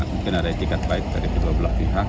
mungkin ada etikat baik dari kedua belah pihak